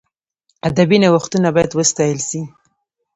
ادبي نوښتونه باید وستایل سي.